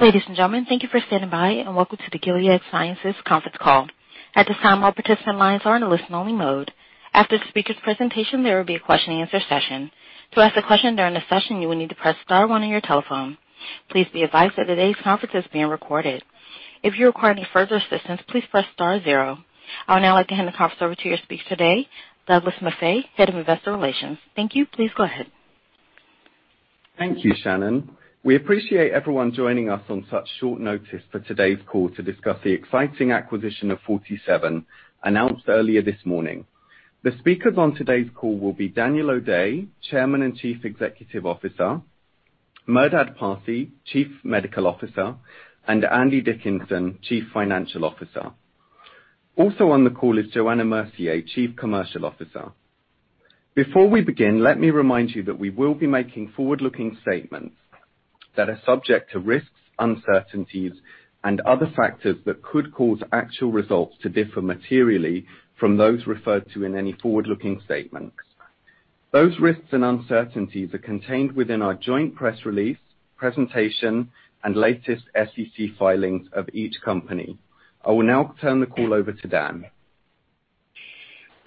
Ladies and gentlemen, thank you for standing by, and welcome to the Gilead Sciences conference call. At this time, all participant lines are in a listen-only mode. After the speaker's presentation, there will be a question-and-answer session. To ask a question during the session, you will need to press star one on your telephone. Please be advised that today's conference is being recorded. If you require any further assistance, please press star zero. I would now like to hand the conference over to your speaker today, Douglas Maffei, Head of Investor Relations. Thank you. Please go ahead. Thank you, Shannon. We appreciate everyone joining us on such short notice for today's call to discuss the exciting acquisition of Forty Seven announced earlier this morning. The speakers on today's call will be Daniel O'Day, Chairman and Chief Executive Officer, Merdad Parsey, Chief Medical Officer, and Andy Dickinson, Chief Financial Officer. Also on the call is Johanna Mercier, Chief Commercial Officer. Before we begin, let me remind you that we will be making forward-looking statements that are subject to risks, uncertainties, and other factors that could cause actual results to differ materially from those referred to in any forward-looking statements. Those risks and uncertainties are contained within our joint press release, presentation, and latest SEC filings of each company. I will now turn the call over to Dan.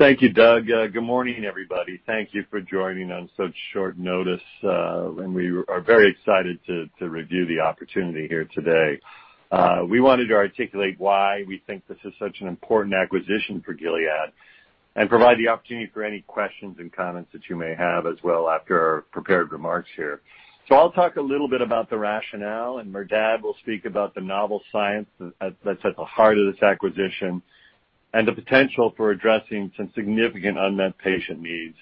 Thank you, Doug. Good morning, everybody. Thank you for joining on such short notice. We are very excited to review the opportunity here today. We wanted to articulate why we think this is such an important acquisition for Gilead and provide the opportunity for any questions and comments that you may have as well after our prepared remarks here. I'll talk a little bit about the rationale, and Merdad will speak about the novel science that's at the heart of this acquisition and the potential for addressing some significant unmet patient needs.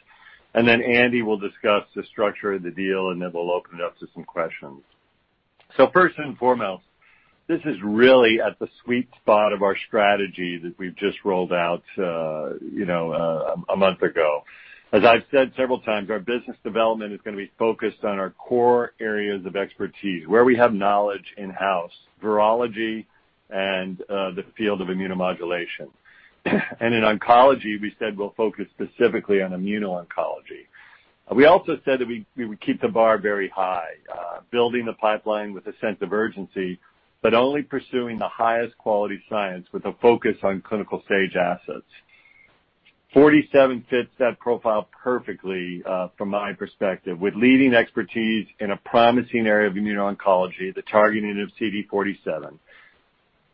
Andy will discuss the structure of the deal, and then we'll open it up to some questions. First and foremost, this is really at the sweet spot of our strategy that we've just rolled out a month ago. As I've said several times, our business development is going to be focused on our core areas of expertise, where we have knowledge in-house, virology and the field of immunomodulation. In oncology, we said we'll focus specifically on immuno-oncology. We also said that we would keep the bar very high, building the pipeline with a sense of urgency, but only pursuing the highest quality science with a focus on clinical stage assets. Forty Seven fits that profile perfectly from my perspective, with leading expertise in a promising area of immuno-oncology, the targeting of CD47.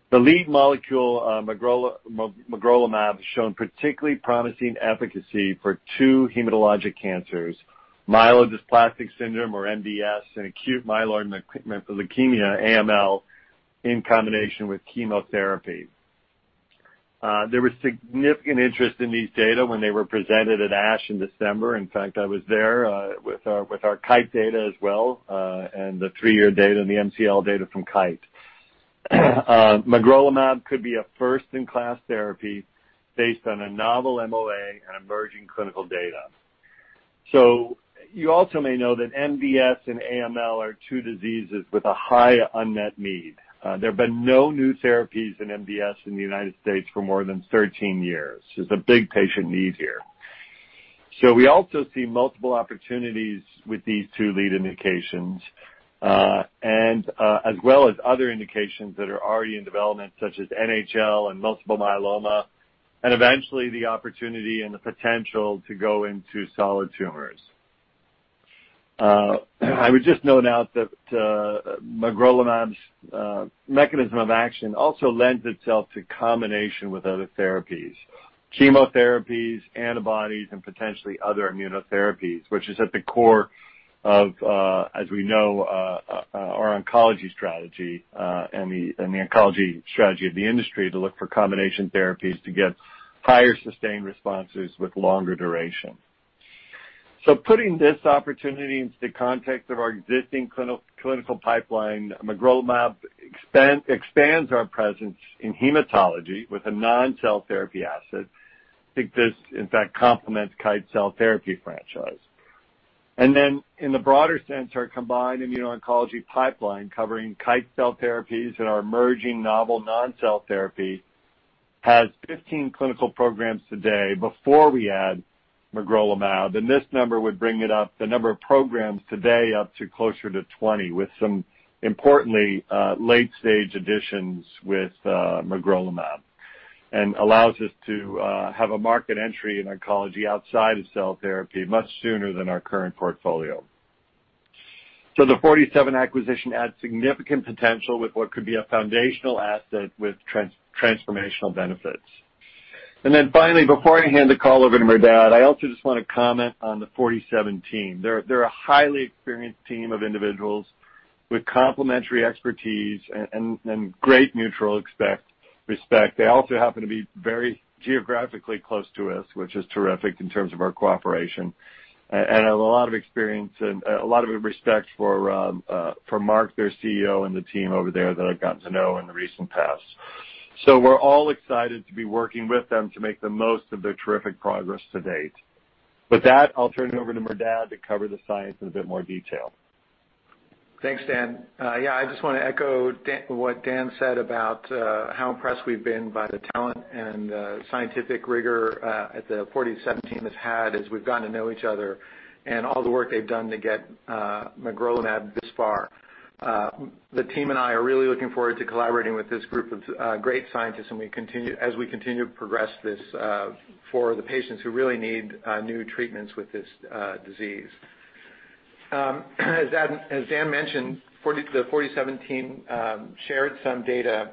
The lead molecule, magrolimab, has shown particularly promising efficacy for two hematologic cancers, myelodysplastic syndrome, or MDS, and acute myeloid leukemia, AML, in combination with chemotherapy. There was significant interest in these data when they were presented at ASH in December. I was there with our Kite data as well, and the three-year data and the MCL data from Kite. magrolimab could be a first-in-class therapy based on a novel MOA and emerging clinical data. You also may know that MDS and AML are two diseases with a high unmet need. There have been no new therapies in MDS in the U.S. for more than 13 years. There's a big patient need here. We also see multiple opportunities with these two lead indications, as well as other indications that are already in development, such as NHL and multiple myeloma, and eventually the opportunity and the potential to go into solid tumors. I would just note out that magrolimab's mechanism of action also lends itself to combination with other therapies, chemotherapies, antibodies, and potentially other immuno-oncology therapies, which is at the core of, as we know, our oncology strategy, and the oncology strategy of the industry to look for combination therapies to get higher sustained responses with longer duration. Putting this opportunity into the context of our existing clinical pipeline, magrolimab expands our presence in hematology with a non-cell therapy asset. I think this, in fact, complements Kite's cell therapy franchise. In the broader sense, our combined immuno-oncology pipeline covering Kite cell therapies and our emerging novel non-cell therapy has 15 clinical programs today before we add magrolimab. This number would bring the number of programs today up to closer to 20, with some importantly late-stage additions with magrolimab, and allows us to have a market entry in oncology outside of cell therapy much sooner than our current portfolio. The Forty Seven acquisition adds significant potential with what could be a foundational asset with transformational benefits. Finally, before I hand the call over to Merdad, I also just want to comment on the Forty Seven team. They're a highly experienced team of individuals with complementary expertise and great mutual respect. They also happen to be very geographically close to us, which is terrific in terms of our cooperation, and I have a lot of experience and a lot of respect for Mark, their CEO, and the team over there that I've gotten to know in the recent past. We're all excited to be working with them to make the most of their terrific progress to-date. With that, I'll turn it over to Mehrdad to cover the science in a bit more detail. Thanks, Dan. Yeah, I just want to echo what Dan said about how impressed we've been by the talent and the scientific rigor the Forty Seven team has had as we've gotten to know each other and all the work they've done to get magrolimab this far. The team and I are really looking forward to collaborating with this group of great scientists as we continue to progress this for the patients who really need new treatments with this disease. As Daniel mentioned, the Forty Seven team shared some data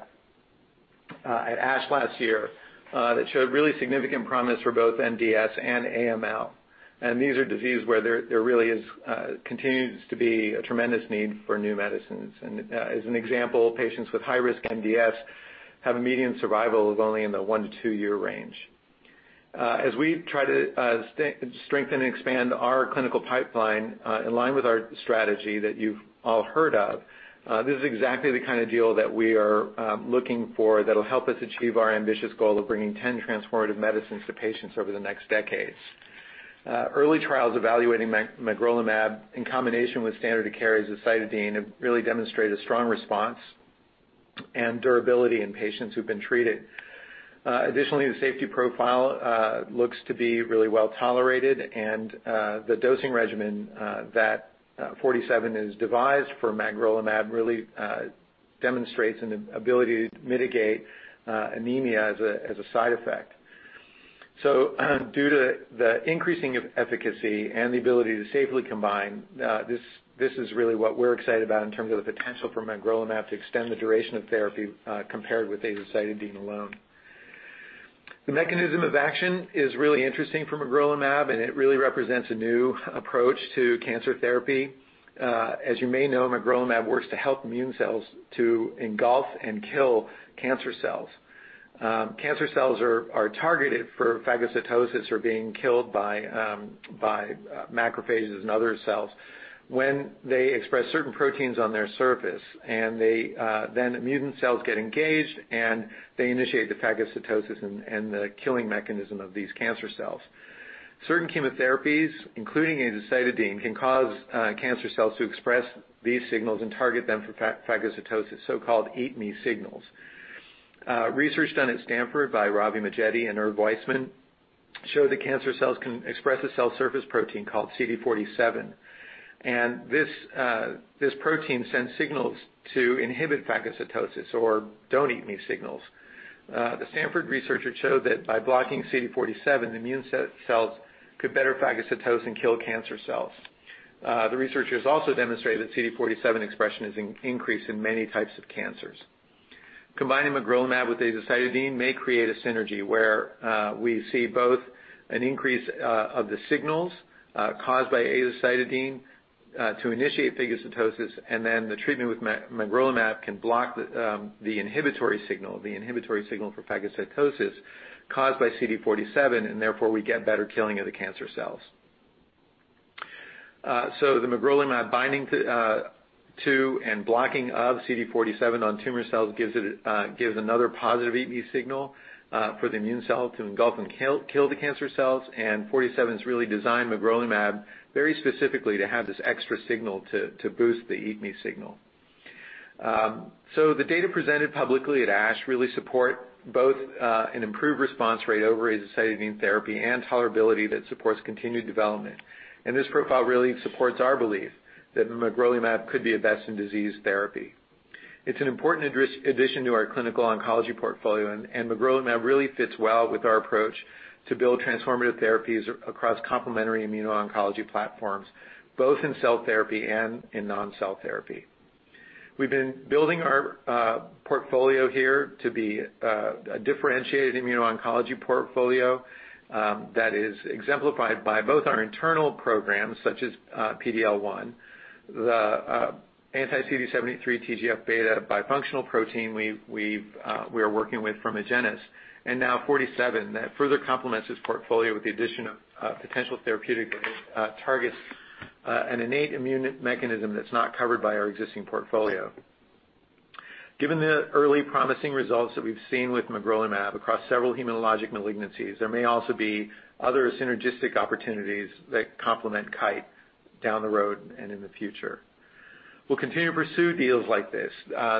at ASH last year that showed really significant promise for both MDS and AML. These are diseases where there really continues to be a tremendous need for new medicines. As an example, patients with high-risk MDS have a median survival of only in the one to two-year range. As we try to strengthen and expand our clinical pipeline in line with our strategy that you've all heard of, this is exactly the kind of deal that we are looking for that'll help us achieve our ambitious goal of bringing 10 transformative medicines to patients over the next decades. Early trials evaluating magrolimab in combination with standard azacitidine have really demonstrated a strong response and durability in patients who've been treated. Additionally, the safety profile looks to be really well-tolerated, and the dosing regimen that Forty Seven has devised for magrolimab really demonstrates an ability to mitigate anemia as a side effect. Due to the increasing efficacy and the ability to safely combine, this is really what we're excited about in terms of the potential for magrolimab to extend the duration of therapy compared with azacitidine alone. The mechanism of action is really interesting for magrolimab, and it really represents a new approach to cancer therapy. As you may know, magrolimab works to help immune cells to engulf and kill cancer cells. Cancer cells are targeted for phagocytosis or being killed by macrophages and other cells when they express certain proteins on their surface and then immune cells get engaged, and they initiate the phagocytosis and the killing mechanism of these cancer cells. Certain chemotherapies, including azacitidine, can cause cancer cells to express these signals and target them for phagocytosis, so-called eat me signals. Research done at Stanford by Ravi Majeti and Irv Weissman showed that cancer cells can express a cell surface protein called CD47, and this protein sends signals to inhibit phagocytosis or don't eat me signals. The Stanford researchers showed that by blocking CD47, the immune cells could better phagocytose and kill cancer cells. The researchers also demonstrated that CD47 expression is increased in many types of cancers. Combining magrolimab with azacitidine may create a synergy where we see both an increase of the signals caused by azacitidine to initiate phagocytosis, and then the treatment with magrolimab can block the inhibitory signal for phagocytosis caused by CD47, and therefore we get better killing of the cancer cells. The magrolimab binding to and blocking of CD47 on tumor cells gives another positive eat me signal for the immune cell to engulf and kill the cancer cells. Forty Seven's really designed magrolimab very specifically to have this extra signal to boost the eat me signal. The data presented publicly at ASH really support both an improved response rate over azacitidine therapy and tolerability that supports continued development. This profile really supports our belief that magrolimab could be a best-in-disease therapy. It's an important addition to our clinical oncology portfolio. Magrolimab really fits well with our approach to build transformative therapies across complementary immuno-oncology platforms, both in cell therapy and in non-cell therapy. We've been building our portfolio here to be a differentiated immuno-oncology portfolio that is exemplified by both our internal programs, such as PD-L1, the anti-CD73 TGF-beta bifunctional protein we are working with from Agenus, and now Forty Seven that further complements this portfolio with the addition of potential therapeutic targets, an innate immune mechanism that's not covered by our existing portfolio. Given the early promising results that we've seen with magrolimab across several hematologic malignancies, there may also be other synergistic opportunities that complement Kite down the road and in the future. We'll continue to pursue deals like this.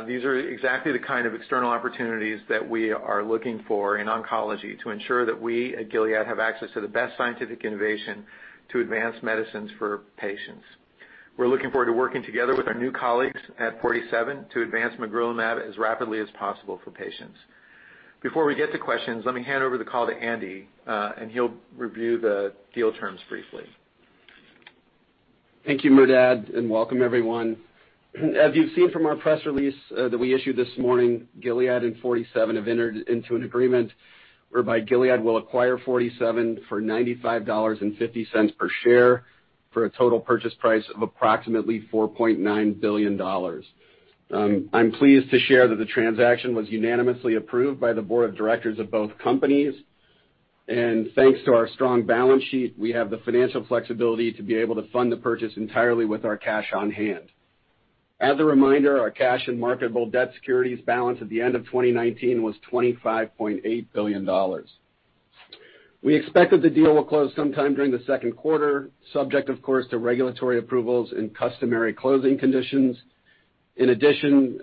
These are exactly the kind of external opportunities that we are looking for in oncology to ensure that we at Gilead have access to the best scientific innovation to advance medicines for patients. We're looking forward to working together with our new colleagues at Forty Seven to advance magrolimab as rapidly as possible for patients. Before we get to questions, let me hand over the call to Andy, and he'll review the deal terms briefly. Thank you, Merdad, welcome everyone. As you've seen from our press release that we issued this morning, Gilead and Forty Seven have entered into an agreement whereby Gilead will acquire Forty Seven for $95.50 per share for a total purchase price of approximately $4.9 billion. I'm pleased to share that the transaction was unanimously approved by the board of directors of both companies. Thanks to our strong balance sheet, we have the financial flexibility to be able to fund the purchase entirely with our cash on hand. As a reminder, our cash and marketable debt securities balance at the end of 2019 was $25.8 billion. We expect that the deal will close sometime during the Q2, subject of course, to regulatory approvals and customary closing conditions. In addition,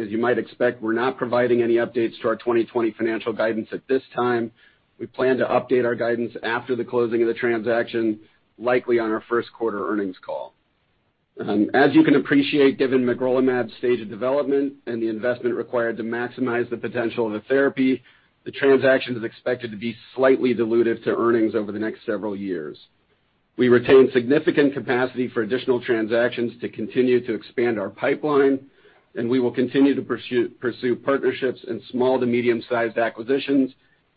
as you might expect, we're not providing any updates to our 2020 financial guidance at this time. We plan to update our guidance after the closing of the transaction, likely on our Q1 earnings call. As you can appreciate, given magrolimab's stage of development and the investment required to maximize the potential of the therapy, the transaction is expected to be slightly dilutive to earnings over the next several years. We retain significant capacity for additional transactions to continue to expand our pipeline, and we will continue to pursue partnerships in small to medium-sized acquisitions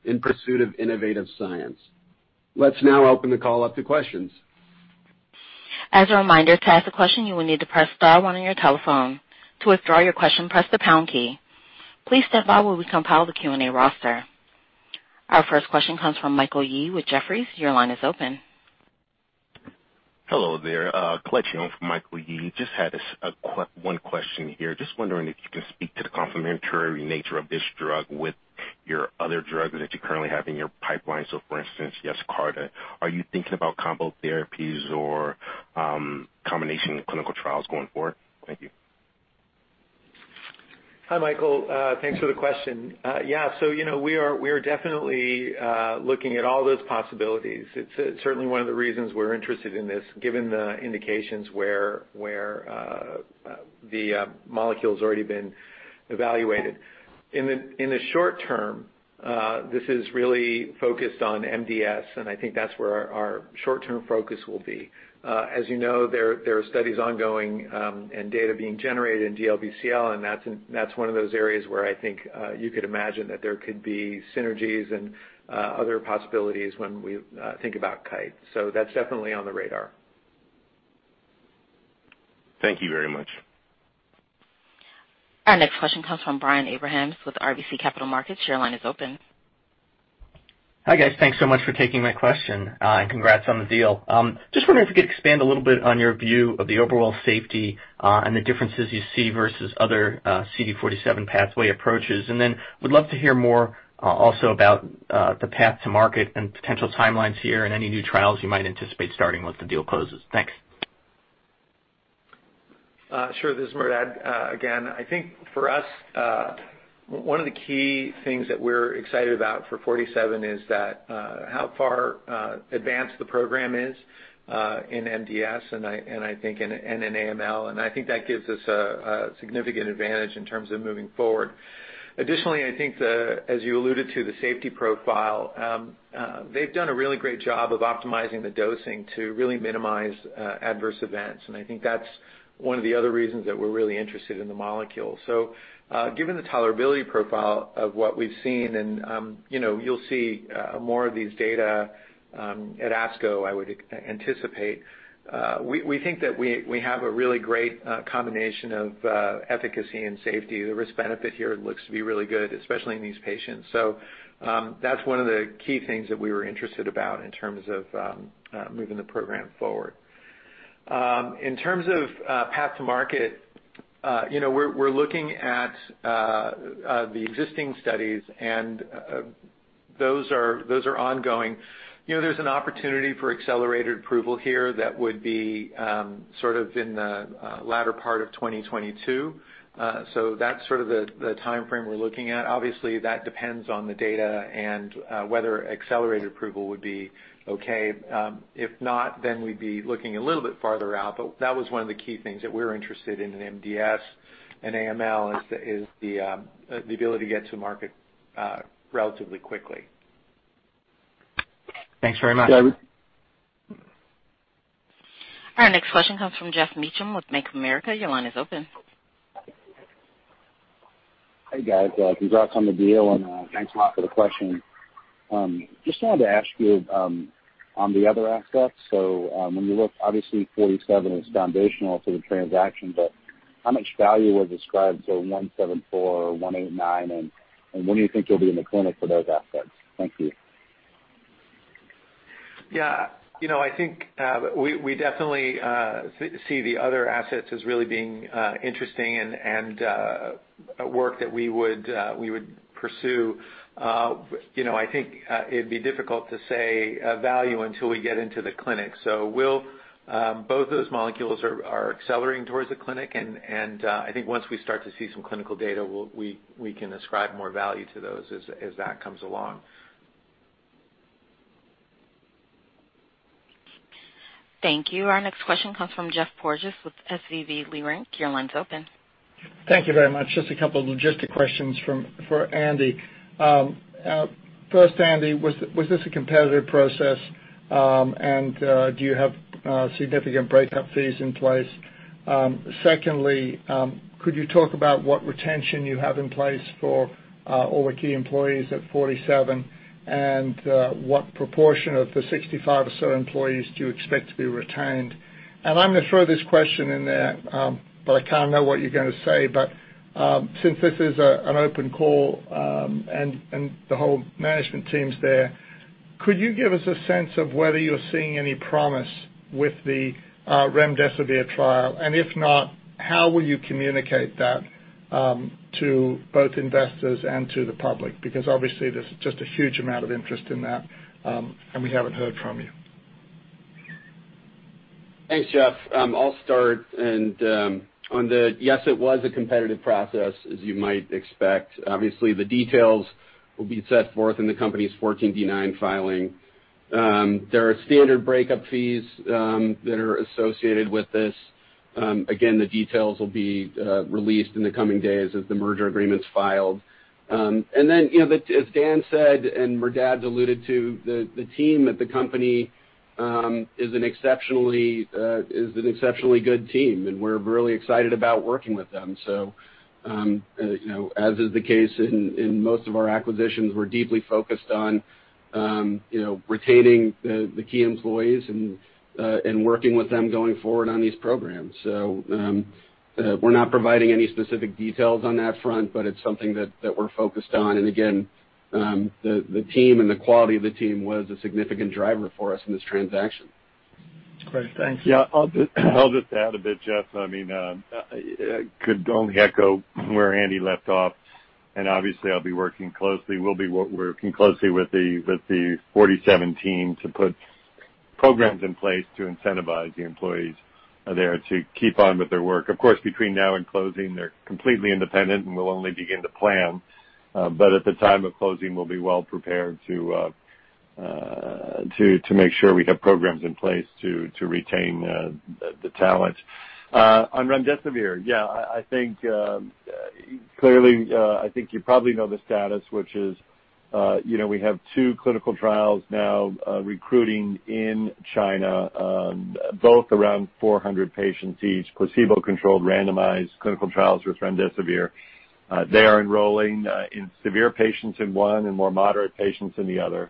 in pursuit of innovative science. Let's now open the call up to questions. As a reminder, to ask a question, you will need to press star one on your telephone. To withdraw your question, press the pound key. Please stand by while we compile the Q&A roster. Our first question comes from Michael Yee with Jefferies. Your line is open. Hello there. Collect call from Michael Yee. Just had one question here. Just wondering if you can speak to the complementary nature of this drug with your other drugs that you currently have in your pipeline. For instance, YESCARTA. Are you thinking about combo therapies or combination clinical trials going forward? Thank you. Hi, Michael Yee. Thanks for the question. Yeah. We are definitely looking at all those possibilities. It's certainly one of the reasons we're interested in this, given the indications where the molecule's already been evaluated. In the short-term, this is really focused on MDS, and I think that's where our short-term focus will be. As you know, there are studies ongoing, and data being generated in DLBCL, and that's one of those areas where I think you could imagine that there could be synergies and other possibilities when we think about Kite. That's definitely on the radar. Thank you very much. Our next question comes from Brian Abrahams with RBC Capital Markets. Your line is open. Hi, guys. Thanks so much for taking my question. Congrats on the deal. Just wondering if you could expand a little bit on your view of the overall safety, and the differences you see versus other CD47 pathway approaches. Would love to hear more also about the path to market and potential timelines here and any new trials you might anticipate starting once the deal closes. Thanks. Sure. This is Merdad Parsey again. I think for us, one of the key things that we're excited about for Forty Seven is that how far advanced the program is in MDS, and I think in AML. I think that gives us a significant advantage in terms of moving forward. Additionally, I think as you alluded to, the safety profile, they've done a really great job of optimizing the dosing to really minimize adverse events. I think that's one of the other reasons that we're really interested in the molecule. Given the tolerability profile of what we've seen, and you'll see more of these data at ASCO, I would anticipate. We think that we have a really great combination of efficacy and safety. The risk-benefit here looks to be really good, especially in these patients. That's one of the key things that we were interested about in terms of moving the program forward. In terms of path to market, we're looking at the existing studies, and those are ongoing. There's an opportunity for accelerated approval here that would be sort of in the latter part of 2022. That's sort of the timeframe we're looking at. Obviously, that depends on the data and whether accelerated approval would be okay. If not, we'd be looking a little bit farther out. That was one of the key things that we're interested in MDS and AML, is the ability to get to market relatively quickly. Thanks very much. Our next question comes from Geoff Meacham with Bank of America. Your line is open. Hey, guys. Congrats on the deal, and thanks a lot for the question. Just wanted to ask you on the other assets. When you look, obviously Forty Seven is foundational to the transaction, but how much value was ascribed to 174 or 189, and when do you think you'll be in the clinic for those assets? Thank you. Yeah. I think we definitely see the other assets as really being interesting and work that we would pursue. I think it'd be difficult to say a value until we get into the clinic. Both those molecules are accelerating towards the clinic, and I think once we start to see some clinical data, we can ascribe more value to those as that comes along. Thank you. Our next question comes from Geoffrey Porges with SVB Leerink. Your line's open. Thank you very much. Just a couple logistic questions for Andy Dickinson. First, Andy Dickinson, was this a competitive process? Do you have significant breakup fees in place? Secondly, could you talk about what retention you have in place for all the key employees at Forty Seven, and what proportion of the 65 or so employees do you expect to be retained? I'm going to throw this question in there, but I kind of know what you're going to say, but since this is an open call, and the whole management team's there, could you give us a sense of whether you're seeing any promise with the remdesivir trial, and if not, how will you communicate that to both investors and to the public? Obviously, there's just a huge amount of interest in that, and we haven't heard from you. Thanks, Geoffrey Porges. I'll start. Yes, it was a competitive process, as you might expect. Obviously, the details will be set forth in the company's 14D-9 filing. There are standard breakup fees that are associated with this. Again, the details will be released in the coming days as the merger agreement's filed. As Daniel O'Day said, and Merdad's alluded to, the team at the company is an exceptionally good team, and we're really excited about working with them. As is the case in most of our acquisitions, we're deeply focused on retaining the key employees and working with them going forward on these programs. We're not providing any specific details on that front, but it's something that we're focused on. Again, the team and the quality of the team was a significant driver for us in this transaction. Great. Thanks. Yeah. I'll just add a bit, Geoffrey Porges. I could only echo where Andy left off, obviously we'll be working closely with the Forty Seven team to put programs in place to incentivize the employees there to keep on with their work. Of course, between now and closing, they're completely independent. We'll only begin to plan. At the time of closing, we'll be well prepared to make sure we have programs in place to retain the talent. On remdesivir, yeah, clearly, I think you probably know the status, which is we have two clinical trials now recruiting in China both around 400 patients each, placebo-controlled randomized clinical trials with remdesivir. They are enrolling severe patients in one and more moderate patients in the other.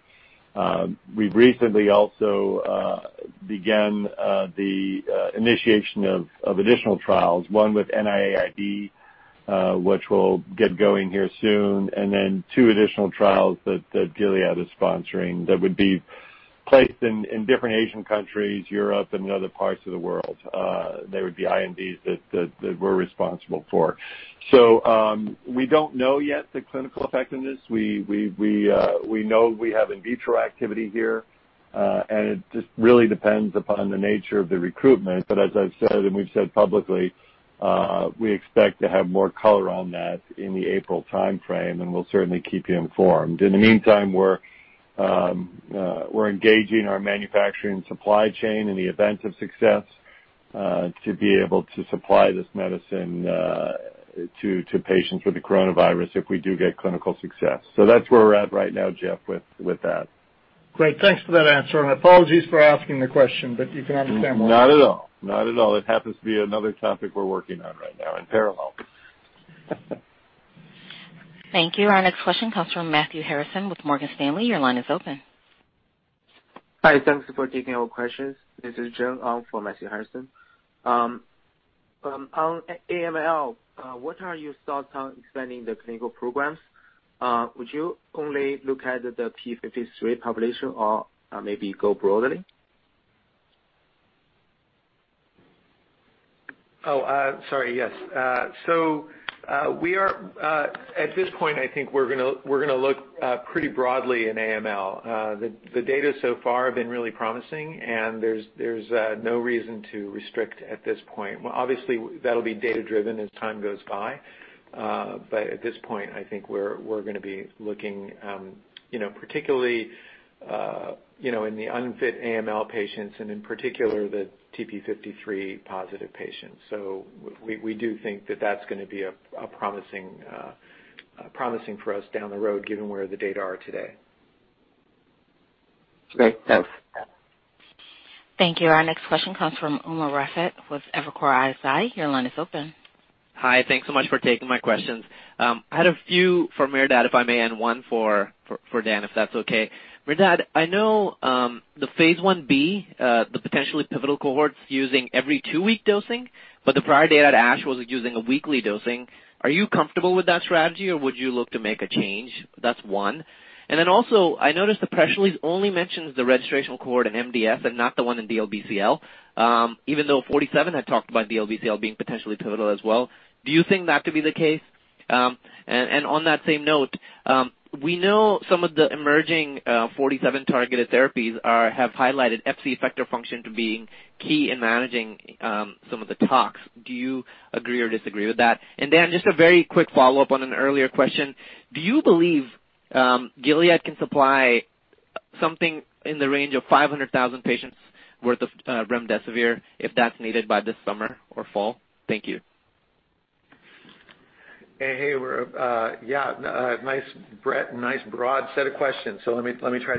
We've recently also began the initiation of additional trials, one with NIAID which will get going here soon, and then two additional trials that Gilead is sponsoring that would be placed in different Asian countries, Europe, and other parts of the world. They would be INDs that we're responsible for. We don't know yet the clinical effectiveness. We know we have in vitro activity here, and it just really depends upon the nature of the recruitment. As I've said, and we've said publicly, we expect to have more color on that in the April timeframe, and we'll certainly keep you informed. In the meantime, we're engaging our manufacturing supply chain in the event of success to be able to supply this medicine to patients with the coronavirus if we do get clinical success. That's where we're at right now, Geoffrey Porges, with that. Great. Thanks for that answer, and apologies for asking the question, but you can understand why. Not at all. It happens to be another topic we're working on right now in parallel. Thank you. Our next question comes from Matthew Harrison with Morgan Stanley. Your line is open. Hi. Thanks for taking our questions. This is Zheng Ong for Matthew Harrison. On AML, what are your thoughts on expanding the clinical programs? Would you only look at the TP53 population or maybe go broadly? Oh, sorry. Yes. At this point, I think we're going to look pretty broadly in AML. The data so far have been really promising, and there's no reason to restrict at this point. Obviously, that'll be data-driven as time goes by. At this point, I think we're going to be looking particularly in the unfit AML patients and in particular the TP53 positive patients. We do think that that's going to be promising for us down the road, given where the data are today. Great. Thanks. Thank you. Our next question comes from Umer Raffat with Evercore ISI. Your line is open. Hi. Thanks so much for taking my questions. I had a few for Merdad, if I may, and one for Dan, if that's okay. Merdad Parsey, I know the phase I-B, the potentially pivotal cohorts using every two-week dosing. The prior data at ASH was using a weekly dosing. Are you comfortable with that strategy, or would you look to make a change? That's one. I noticed the press release only mentions the registrational cohort in MDS and not the one in DLBCL, even though Forty Seven had talked about DLBCL being potentially pivotal as well. Do you think that could be the case? On that same note, we know some of the emerging Forty Seven targeted therapies have highlighted Fc effector function to being key in managing some of the tox. Do you agree or disagree with that? Dan, just a very quick follow-up on an earlier question. Do you believe Gilead can supply something in the range of 500,000 patients worth of remdesivir if that's needed by this summer or fall? Thank you. Hey, Umer. Yeah, nice broad set of questions. Let me try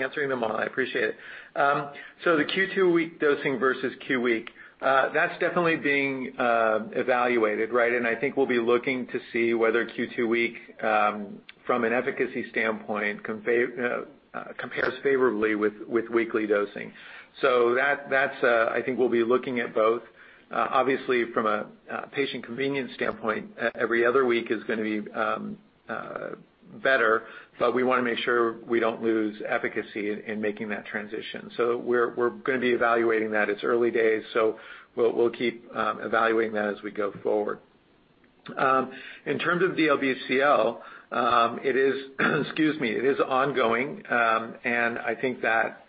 answering them all. I appreciate it. The Q2-week dosing versus Q week, that's definitely being evaluated, right? I think we'll be looking to see whether Q2-week, from an efficacy standpoint, compares favorably with weekly dosing. I think we'll be looking at both. Obviously, from a patient convenience standpoint, every other week is going to be better, but we want to make sure we don't lose efficacy in making that transition. We're going to be evaluating that. It's early days, we'll keep evaluating that as we go forward. In terms of DLBCL, it is ongoing, and I think that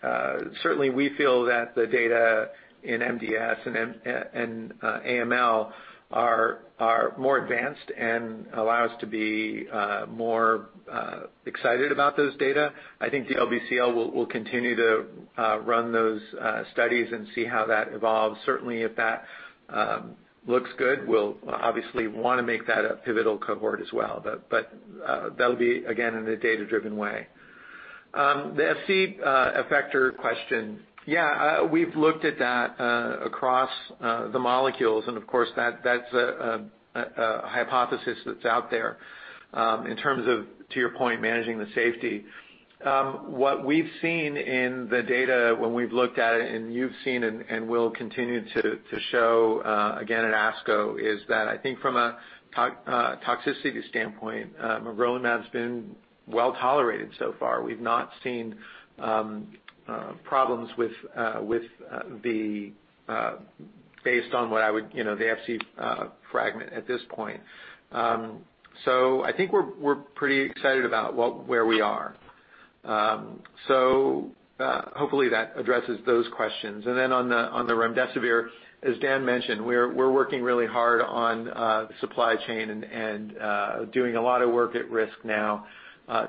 certainly we feel that the data in MDS and AML are more advanced and allow us to be more excited about those data. I think DLBCL we'll continue to run those studies and see how that evolves. Certainly, if that looks good, we'll obviously want to make that a pivotal cohort as well. That'll be, again, in a data-driven way. The Fc effector question. Yeah, we've looked at that across the molecules, and of course, that's a hypothesis that's out there, in terms of, to your point, managing the safety. What we've seen in the data when we've looked at it, and you've seen and we'll continue to show again at ASCO, is that I think from a toxicity standpoint, magrolimab's been well-tolerated so far. We've not seen problems based on the Fc fragment at this point. I think we're pretty excited about where we are. Hopefully that addresses those questions. On the remdesivir, as Dan mentioned, we're working really hard on the supply chain and doing a lot of work at risk now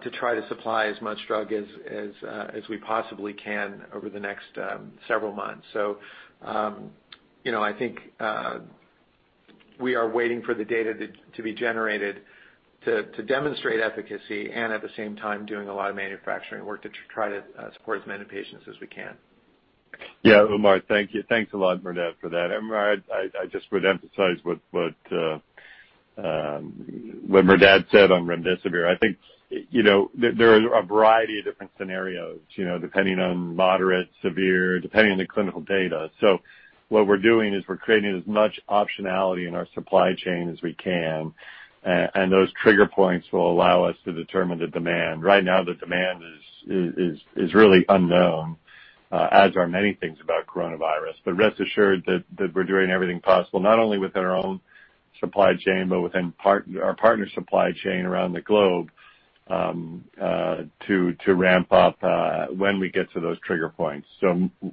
to try to supply as much drug as we possibly can over the next several months. I think we are waiting for the data to be generated to demonstrate efficacy, and at the same time, doing a lot of manufacturing work to try to support as many patients as we can. Yeah, Umer Raffat, thank you. Thanks a lot, Merdad Parsey, for that. Umer Raffat, I just would emphasize what Merdad Parsey said on remdesivir. I think there are a variety of different scenarios depending on moderate, severe, depending on the clinical data. What we're doing is we're creating as much optionality in our supply chain as we can, and those trigger points will allow us to determine the demand. Right now, the demand is really unknown, as are many things about coronavirus. Rest assured that we're doing everything possible, not only within our own supply chain, but within our partner supply chain around the globe to ramp up when we get to those trigger points.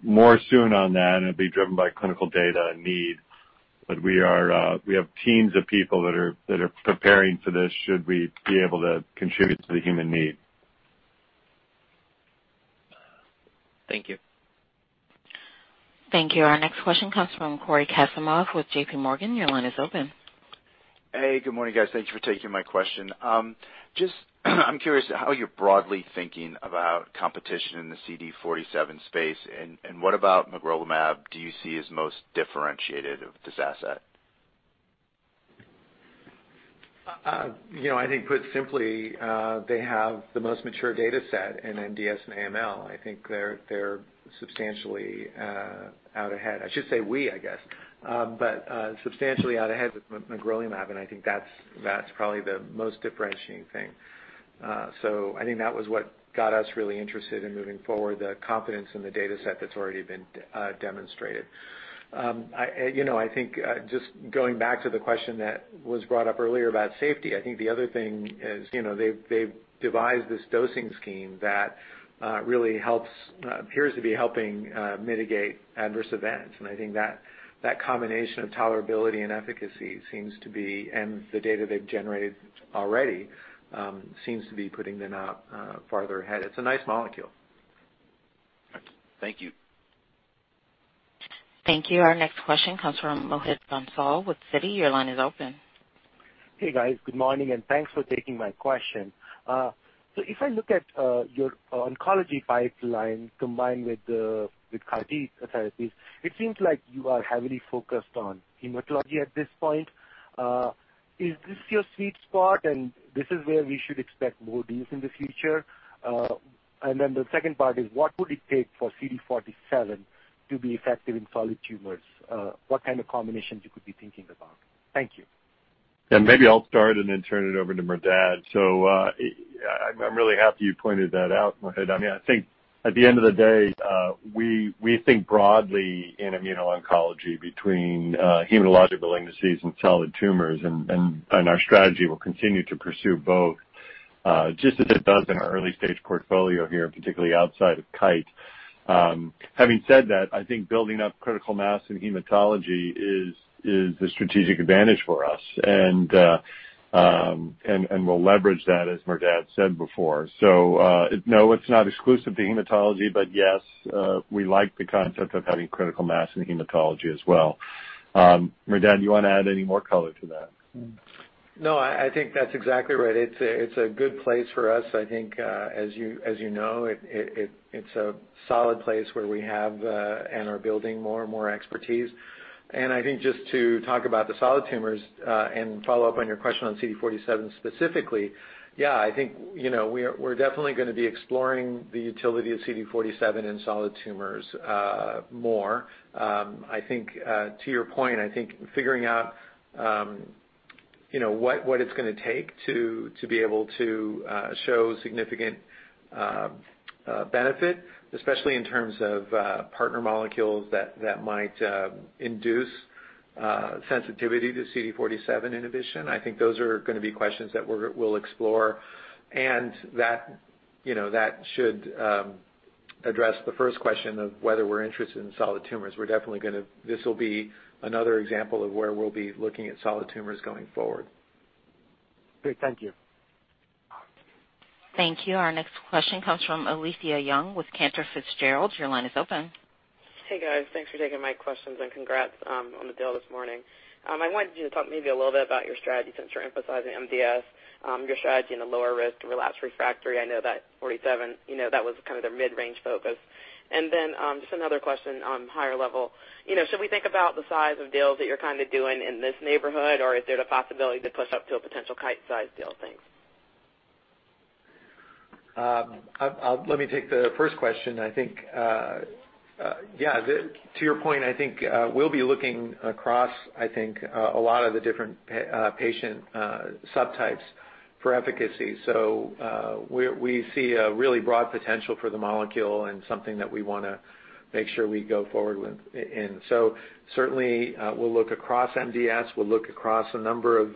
More soon on that, and it'll be driven by clinical data and need, but we have teams of people that are preparing for this should we be able to contribute to the human need. Thank you. Thank you. Our next question comes from Cory Kasimov with J.P. Morgan. Your line is open. Hey, good morning, guys. Thank you for taking my question. Just, I'm curious how you're broadly thinking about competition in the CD47 space, and what about magrolimab do you see as most differentiated of this asset? I think put simply, they have the most mature data set in MDS and AML. I think they're substantially out ahead. I should say we, I guess. Substantially out ahead with magrolimab, and I think that's probably the most differentiating thing. I think that was what got us really interested in moving forward, the confidence in the data set that's already been demonstrated. I think just going back to the question that was brought up earlier about safety, I think the other thing is they've devised this dosing scheme that really appears to be helping mitigate adverse events. I think that combination of tolerability and efficacy seems to be, and the data they've generated already, seems to be putting them out farther ahead. It's a nice molecule. Thank you. Thank you. Our next question comes from Mohit Bansal with Citi. Your line is open. Hey, guys. Good morning, and thanks for taking my question. If I look at your oncology pipeline combined with CAR T therapies, it seems like you are heavily focused on hematology at this point. Is this your sweet spot, and this is where we should expect more deals in the future? The second part is, what would it take for CD47 to be effective in solid tumors? What kind of combinations you could be thinking about? Thank you. Maybe I'll start and then turn it over to Merdad. I'm really happy you pointed that out, Mohit Bansal. I think at the end of the day, we think broadly in immuno-oncology between hematological diseases and solid tumors, and our strategy will continue to pursue both, just as it does in our early-stage portfolio here, particularly outside of Kite. Having said that, I think building up critical mass in hematology is a strategic advantage for us, and we'll leverage that, as Merdad said before. No, it's not exclusive to hematology, but yes, we like the concept of having critical mass in hematology as well. Merdad, you want to add any more color to that? No, I think that's exactly right. It's a good place for us. I think, as you know, it's a solid place where we have, and are building more and more expertise. I think just to talk about the solid tumors, and follow-up on your question on CD47 specifically, yeah, I think we're definitely going to be exploring the utility of CD47 in solid tumors more. To your point, I think figuring out what it's going to take to be able to show significant benefit, especially in terms of partner molecules that might induce sensitivity to CD47 inhibition. I think those are going to be questions that we'll explore. That should address the first question of whether we're interested in solid tumors. This will be another example of where we'll be looking at solid tumors going forward. Great. Thank you. Thank you. Our next question comes from Alethia Young with Cantor Fitzgerald. Your line is open Hey guys, thanks for taking my questions and congrats on the deal this morning. I wanted you to talk maybe a little bit about your strategy since you're emphasizing MDS, your strategy in the lower risk relapse refractory. I know that Forty Seven, that was their mid-range focus. Just another question on higher level. Should we think about the size of deals that you're doing in this neighborhood? Is there the possibility to push up to a potential Kite size deal? Thanks. Let me take the first question. To your point, I think we'll be looking across a lot of the different patient subtypes for efficacy. We see a really broad potential for the molecule and something that we want to make sure we go forward with. Certainly, we'll look across MDS, we'll look across a number of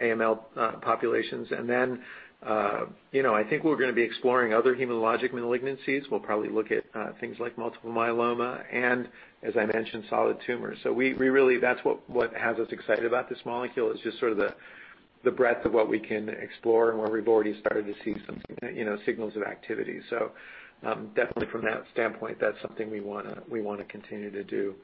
AML populations. Then I think we're going to be exploring other hematologic malignancies. We'll probably look at things like multiple myeloma and, as I mentioned, solid tumors. That's what has us excited about this molecule, is just sort of the breadth of what we can explore and where we've already started to see some signals of activity. Definitely from that standpoint, that's something we want to continue to do.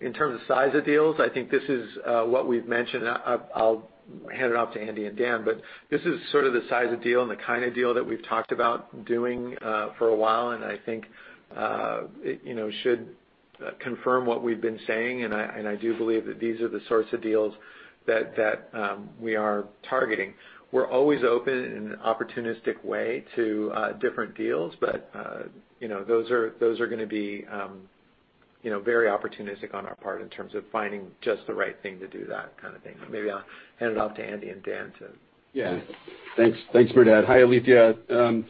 In terms of size of deals, I think this is what we've mentioned. I'll hand it off to Andy and Dan. This is sort of the size of deal and the kind of deal that we've talked about doing for a while. I think it should confirm what we've been saying. I do believe that these are the sorts of deals that we are targeting. We're always open in an opportunistic way to different deals. Those are going to be very opportunistic on our part in terms of finding just the right thing to do that kind of thing. Maybe I'll hand it off to Andy Dickinson and Daniel O'Day. Yeah. Thanks, Merdad. Hi, Alethia Young.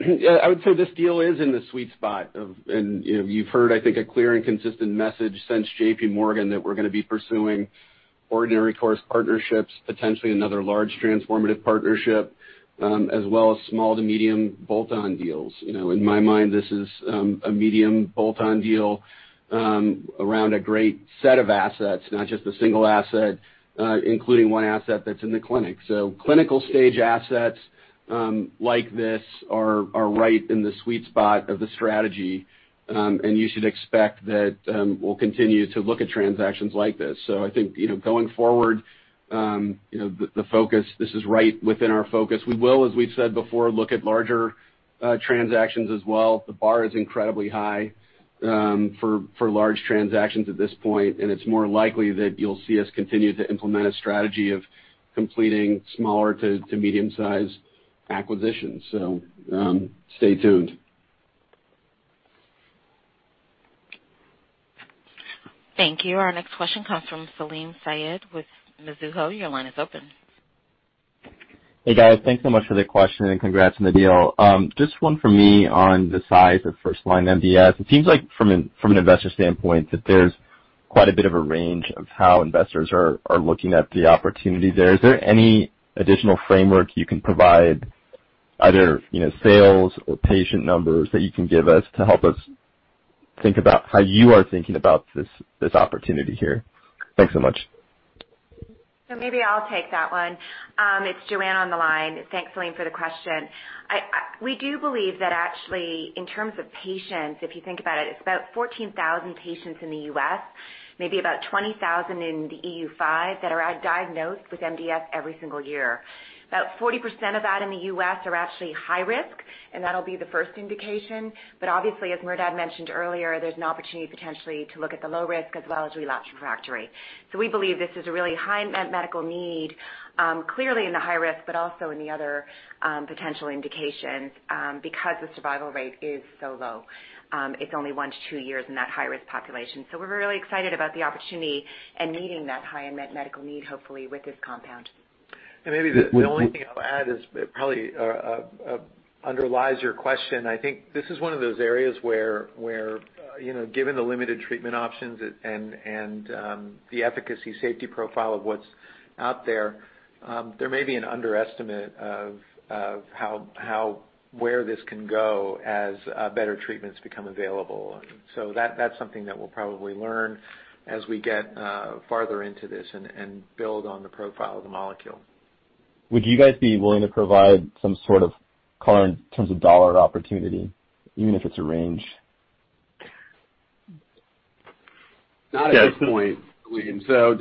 I would say this deal is in the sweet spot of, you've heard, I think, a clear and consistent message since J.P. Morgan that we're going to be pursuing ordinary course partnerships, potentially another large transformative partnership, as well as small to medium bolt-on deals. In my mind, this is a medium bolt-on deal around a great set of assets, not just a single asset, including one asset that's in the clinic. Clinical stage assets like this are right in the sweet spot of the strategy. You should expect that we'll continue to look at transactions like this. I think, going forward, this is right within our focus. We will, as we've said before, look at larger transactions as well. The bar is incredibly high for large transactions at this point, and it's more likely that you'll see us continue to implement a strategy of completing smaller to medium size acquisitions. Stay tuned. Thank you. Our next question comes from Salim Syed with Mizuho. Your line is open. Hey, guys. Thanks so much for the question and congrats on the deal. Just one for me on the size of first-line MDS. It seems like from an investor standpoint, that there's quite a bit of a range of how investors are looking at the opportunity there. Is there any additional framework you can provide, either sales or patient numbers that you can give us to help us think about how you are thinking about this opportunity here? Thanks so much. Maybe I'll take that one. It's Joanne on the line. Thanks, Salim Syed, for the question. We do believe that actually in terms of patients, if you think about it's about 14,000 patients in the U.S., maybe about 20,000 in the EU5 that are diagnosed with MDS every single year. About 40% of that in the U.S. are actually high risk, and that'll be the first indication, but obviously, as Merdad mentioned earlier, there's an opportunity potentially to look at the low risk as well as relapse refractory. We believe this is a really high medical need, clearly in the high risk, but also in the other potential indications, because the survival rate is so low. It's only one-two years in that high-risk population. We're really excited about the opportunity and meeting that high unmet medical need, hopefully with this compound. Maybe the only thing I'll add is probably underlies your question. I think this is one of those areas where given the limited treatment options and the efficacy safety profile of what's out there may be an underestimate of where this can go as better treatments become available. That's something that we'll probably learn as we get farther into this and build on the profile of the molecule. Would you guys be willing to provide some sort of color in terms of dollar opportunity, even if it's a range? Not at this point, Salim Syed.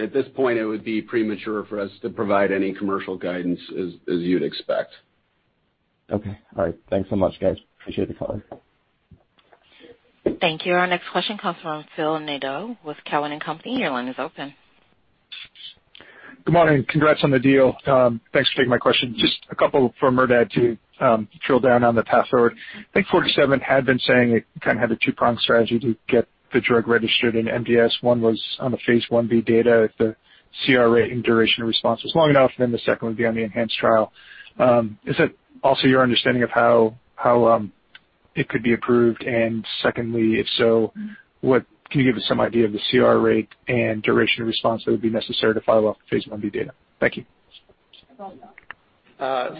At this point, it would be premature for us to provide any commercial guidance as you'd expect. Okay. All right. Thanks so much, guys. Appreciate the color. Thank you. Our next question comes from Philip Nadeau with Cowen and Company. Your line is open. Good morning. Congrats on the deal. Thanks for taking my question. Just a couple for Merdad to drill down on the path forward. I think Forty Seven had been saying it had a two-pronged strategy to get the drug registered in MDS. One was on the phase I-B data if the CR rate and duration of response was long enough, and then the second would be on the enhanced trial. Is that also your understanding of how it could be approved? Secondly, if so, can you give us some idea of the CR rate and duration of response that would be necessary to follow up the phase I-B data? Thank you. Yeah,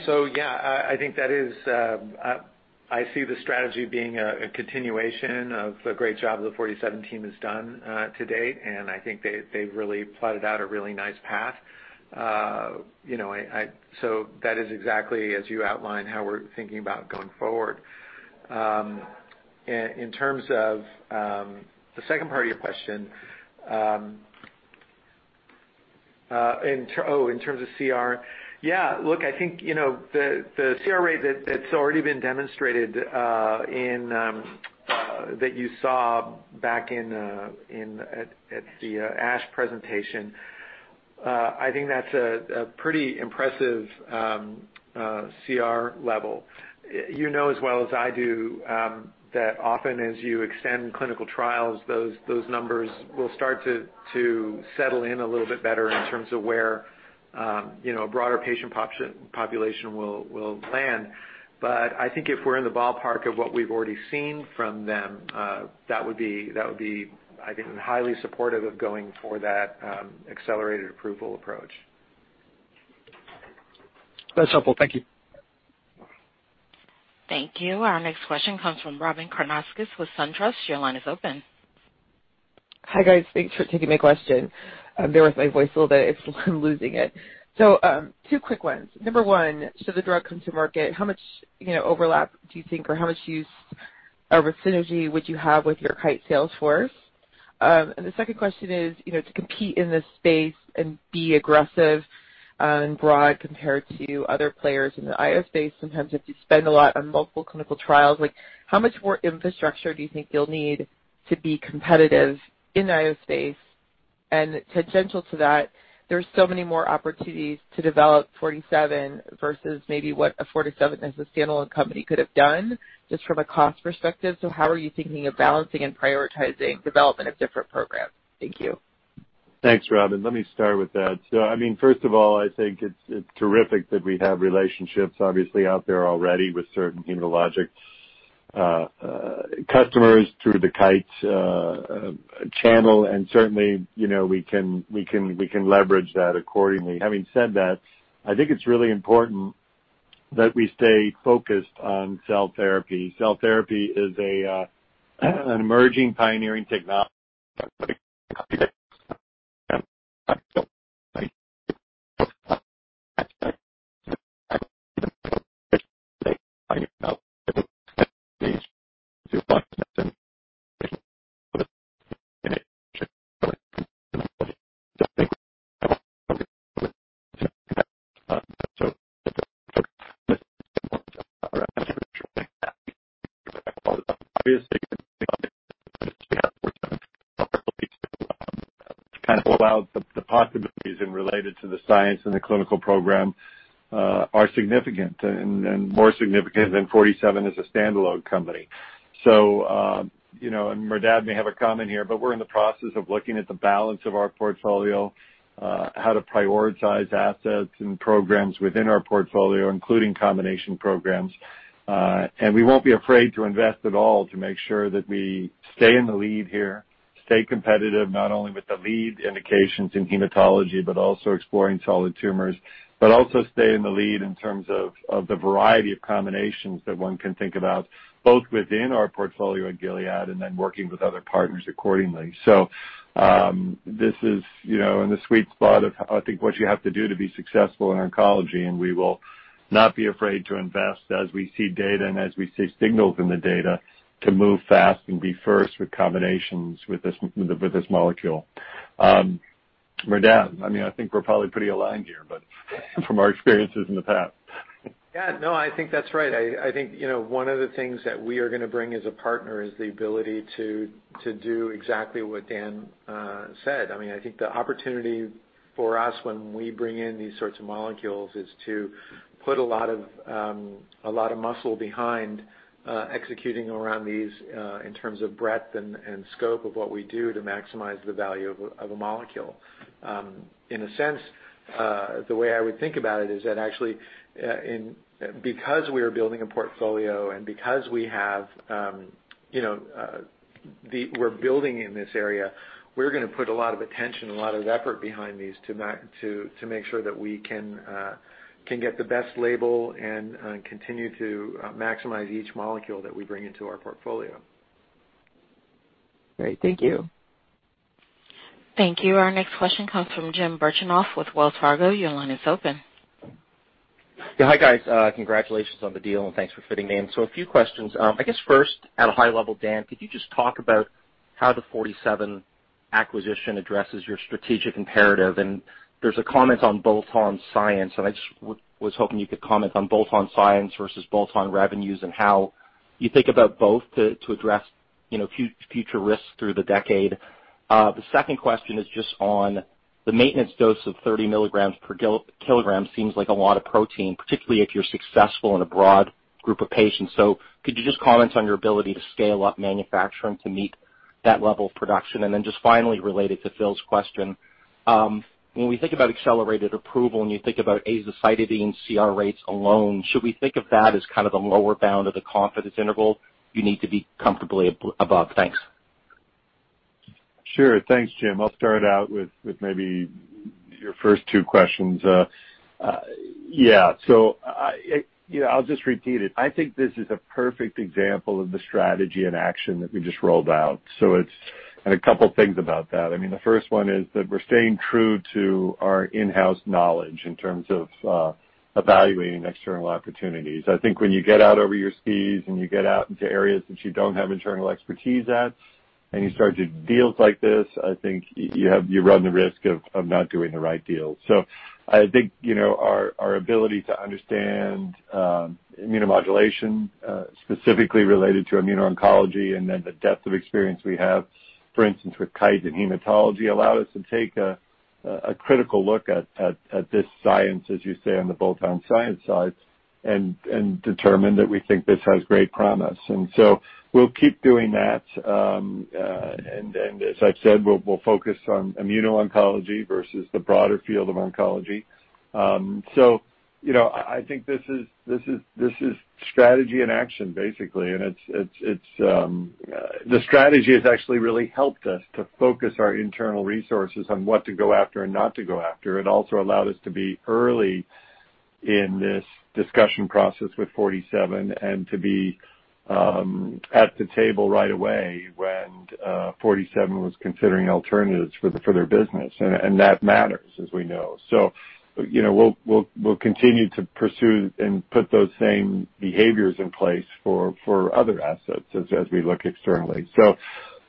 I see the strategy being a continuation of the great job the Forty Seven team has done to date, and I think they've really plotted out a really nice path. That is exactly as you outlined how we're thinking about going forward. In terms of the second part of your question, in terms of CR. Yeah, look, I think, the CR rate that's already been demonstrated that you saw back at the ASH presentation, I think that's a pretty impressive CR level. You know as well as I do that often as you extend clinical trials, those numbers will start to settle in a little bit better in terms of where a broader patient population will land. I think if we're in the ballpark of what we've already seen from them, that would be, I think, highly supportive of going for that accelerated approval approach. That's helpful. Thank you. Thank you. Our next question comes from Robyn Karnauskas with SunTrust. Your line is open. Hi, guys. Thanks for taking my question. Bear with my voice a little bit, I'm losing it. Two quick ones. Number one, should the drug come to market, how much overlap do you think or how much use or synergy would you have with your Kite sales force? The second question is, to compete in this space and be aggressive and broad compared to other players in the IO space, sometimes if you spend a lot on multiple clinical trials, how much more infrastructure do you think you'll need to be competitive in the IO space? Tangential to that, there's so many more opportunities to develop Forty Seven versus maybe what a Forty Seven as a standalone company could have done, just from a cost perspective, so how are you thinking of balancing and prioritizing development of different programs? Thank you. Thanks, Robyn Karnauskas. Let me start with that. First of all, I think it's terrific that we have relationships, obviously, out there already with certain hematologic customers through the Kite channel, and certainly, we can leverage that accordingly. Having said that, I think it's really important that we stay focused on cell therapy. Cell therapy is an emerging pioneering technology. Kind of all out the possibilities in related to the science and the clinical program are significant and more significant than Forty Seven as a standalone company. And Merdad may have a comment here, but we're in the process of looking at the balance of our portfolio, how to prioritize assets and programs within our portfolio, including combination programs. We won't be afraid to invest at all to make sure that we stay in the lead here, stay competitive not only with the lead indications in hematology, but also exploring solid tumors, but also stay in the lead in terms of the variety of combinations that one can think about, both within our portfolio at Gilead and then working with other partners accordingly. This is in the sweet spot of, I think, what you have to do to be successful in oncology, and we will not be afraid to invest as we see data and as we see signals in the data to move fast and be first with combinations with this molecule. Merdad, I think we're probably pretty aligned here, from our experiences in the past. Yeah, no, I think that's right. I think one of the things that we are going to bring as a partner is the ability to do exactly what Daniel O'Day said. I think the opportunity for us when we bring in these sorts of molecules is to put a lot of muscle behind executing around these in terms of breadth and scope of what we do to maximize the value of a molecule. In a sense, the way I would think about it is that actually, because we are building a portfolio and because we're building in this area, we're going to put a lot of attention, a lot of effort behind these to make sure that we can get the best label and continue to maximize each molecule that we bring into our portfolio. Great. Thank you. Thank you. Our next question comes from Jim Birchenough with Wells Fargo. Your line is open. Yeah. Hi guys. Congratulations on the deal, and thanks for fitting me in. A few questions. I guess first, at a high level, Daniel O'Day, could you just talk about how the Forty Seven acquisition addresses your strategic imperative? There's a comment on bolt-on science, and I just was hoping you could comment on bolt-on science versus bolt-on revenues and how you think about both to address future risks through the decade. The second question is just on the maintenance dose of 30 mg/kg seems like a lot of protein, particularly if you're successful in a broad group of patients. Could you just comment on your ability to scale up manufacturing to meet that level of production? Just finally, related to Phil's question, when we think about accelerated approval and you think about azacitidine CR rates alone, should we think of that as kind of the lower bound of the confidence interval you need to be comfortably above? Thanks. Sure. Thanks, Jim Birchenough. I'll start out with maybe your first two questions. Yeah. I'll just repeat it. I think this is a perfect example of the strategy and action that we just rolled out. A couple things about that. The first one is that we're staying true to our in-house knowledge in terms of evaluating external opportunities. I think when you get out over your skis and you get out into areas that you don't have internal expertise at, and you start to do deals like this, I think you run the risk of not doing the right deal. I think our ability to understand immunomodulation, specifically related to immuno-oncology, and then the depth of experience we have, for instance, with Kite in hematology, allow us to take a critical look at this science, as you say, on the bolt-on science side, and determine that we think this has great promise. We'll keep doing that. As I've said, we'll focus on immuno-oncology versus the broader field of oncology. I think this is strategy in action, basically, and the strategy has actually really helped us to focus our internal resources on what to go after and not to go after. It also allowed us to be early in this discussion process with Forty Seven and to be at the table right away when Forty Seven was considering alternatives for their business. That matters, as we know. We'll continue to pursue and put those same behaviors in place for other assets as we look externally.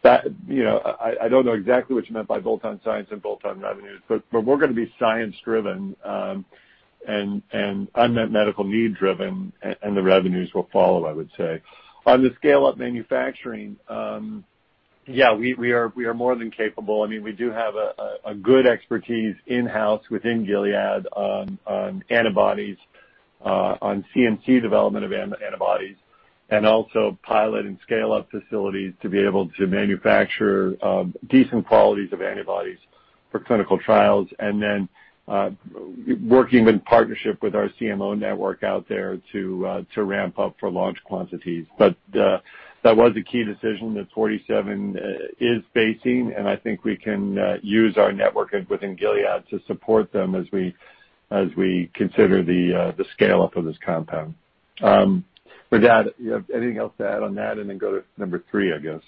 I don't know exactly what you meant by bolt-on science and bolt-on revenues, but we're going to be science-driven and unmet medical need driven, and the revenues will follow, I would say. On the scale-up manufacturing, yeah, we are more than capable. We do have a good expertise in-house within Gilead on antibodies, on CMC development of antibodies, and also pilot and scale-up facilities to be able to manufacture decent qualities of antibodies for clinical trials, and then working in partnership with our CMO network out there to ramp up for launch quantities. That was a key decision that Forty Seven is facing, and I think we can use our network within Gilead to support them as we consider the scale-up of this compound. With that, you have anything else to add on that, and then go to number three, I guess.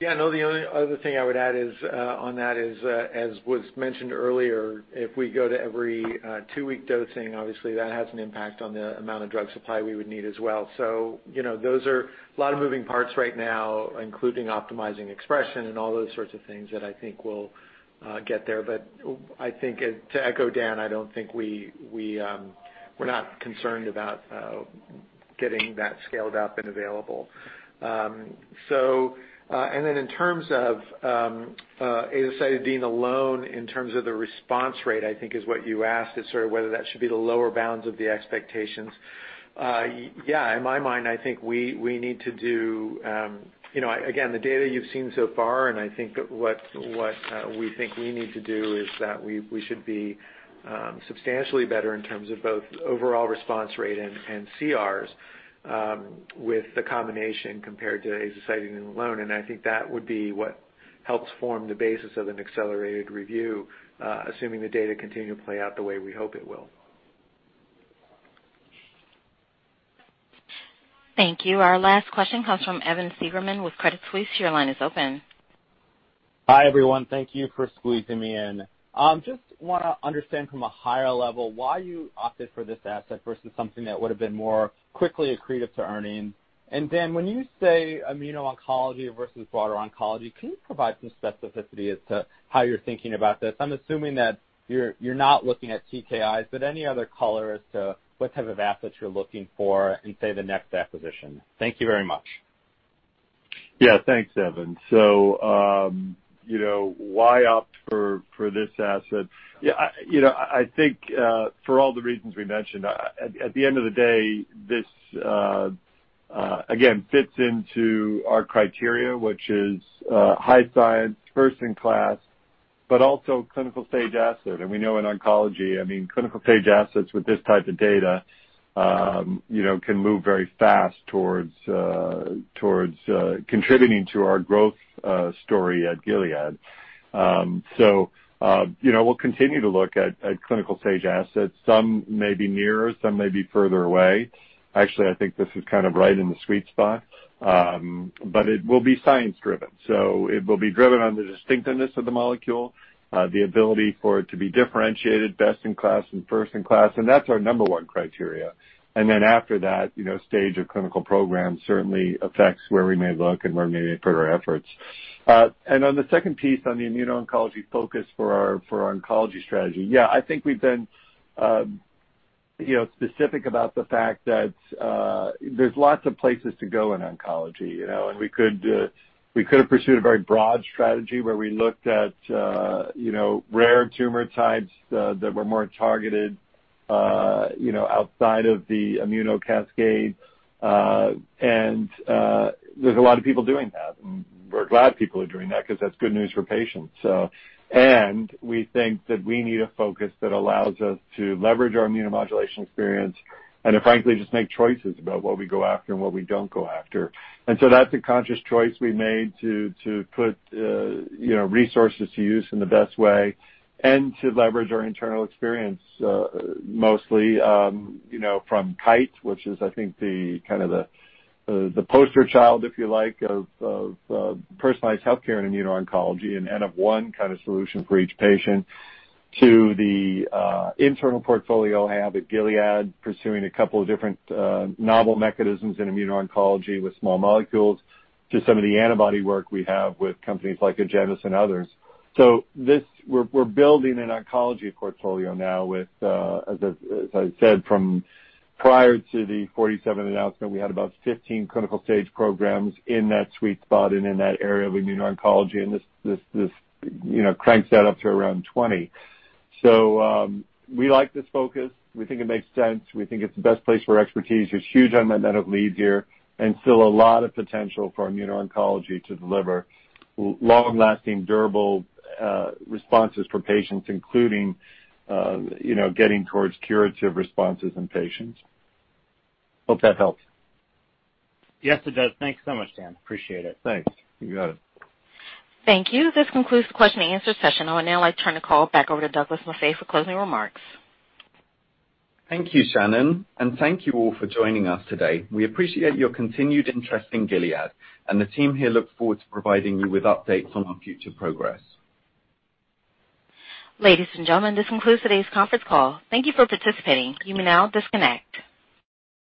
The only other thing I would add on that is, as was mentioned earlier, if we go to every two-week dosing, obviously that has an impact on the amount of drug supply we would need as well. Those are a lot of moving parts right now, including optimizing expression and all those sorts of things that I think will get there. I think, to echo Dan, we're not concerned about getting that scaled up and available. Then in terms of azacitidine alone, in terms of the response rate, I think is what you asked, is sort of whether that should be the lower bounds of the expectations. Yeah, in my mind, the data you've seen so far, and I think what we think we need to do is that we should be substantially better in terms of both overall response rate and CRs with the combination compared to azacitidine alone. I think that would be what helps form the basis of an accelerated review, assuming the data continue to play out the way we hope it will. Thank you. Our last question comes from Evan Seigerman with Credit Suisse. Your line is open. Hi, everyone. Thank you for squeezing me in. Just want to understand from a higher level why you opted for this asset versus something that would've been more quickly accretive to earnings. Dan, when you say immuno-oncology versus broader oncology, can you provide some specificity as to how you're thinking about this? I'm assuming that you're not looking at TKIs, but any other color as to what type of assets you're looking for in, say, the next acquisition? Thank you very much. Yeah. Thanks, Evan. Why opt for this asset? I think for all the reasons we mentioned. At the end of the day, this, again, fits into our criteria, which is high science, first in class, but also clinical-stage asset. We know in oncology, clinical-stage assets with this type of data can move very fast towards contributing to our growth story at Gilead. We'll continue to look at clinical-stage assets. Some may be nearer, some may be further away. Actually, I think this is kind of right in the sweet spot. It will be science driven. It will be driven on the distinctness of the molecule, the ability for it to be differentiated, best in class and first in class, and that's our number one criteria. Then after that, stage of clinical program certainly affects where we may look and where we may put our efforts. On the second piece on the immuno-oncology focus for our oncology strategy, yeah, I think we've been specific about the fact that there's lots of places to go in oncology, and we could've pursued a very broad strategy where we looked at rare tumor types that were more targeted outside of the immunocascade. There's a lot of people doing that, and we're glad people are doing that because that's good news for patients. We think that we need a focus that allows us to leverage our immunomodulation experience and to frankly just make choices about what we go after and what we don't go after. That's a conscious choice we made to put resources to use in the best way and to leverage our internal experience, mostly from Kite, which is, I think, the poster child, if you like, of personalized healthcare in immuno-oncology and n of 1 kind of solution for each patient. To the internal portfolio we have at Gilead, pursuing a couple of different novel mechanisms in immuno-oncology with small molecules to some of the antibody work we have with companies like Agenus and others. We're building an oncology portfolio now with, as I said, from prior to the Forty Seven announcement, we had about 15 clinical stage programs in that sweet spot and in that area of immuno-oncology, and this cranks that up to around 20. We like this focus. We think it makes sense. We think it's the best place for expertise. There's huge unmet medical needs here, still a lot of potential for immuno-oncology to deliver long-lasting, durable responses for patients, including getting towards curative responses in patients. Hope that helps. Yes, it does. Thanks so much, Daniel O'Day. Appreciate it. Thanks. You got it. Thank you. This concludes the question-and-answer session. I would now like to turn the call back over to Douglas Maffei for closing remarks. Thank you, Shannon, and thank you all for joining us today. We appreciate your continued interest in Gilead, and the team here looks forward to providing you with updates on our future progress. Ladies and gentlemen, this concludes today's conference call. Thank you for participating. You may now disconnect.